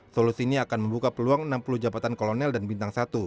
solusi ini akan membuka peluang enam puluh jabatan kolonel dan bintang satu